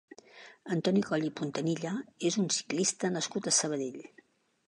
Antoni Coll i Pontanilla és un ciclista nascut a Sabadell.